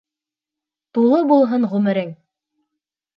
Тулы булһын ғүмерең!